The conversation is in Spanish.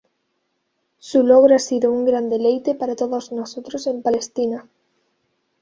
Su logro ha sido un gran deleite para todos nosotros en Palestina.